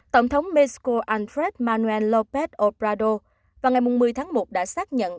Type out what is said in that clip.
tổng thống mexico altress manuel lópez obrador vào ngày một mươi tháng một đã xác nhận